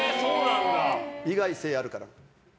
意外性があるから。